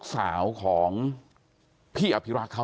ความปลอดภัยของนายอภิรักษ์และครอบครัวด้วยซ้ำ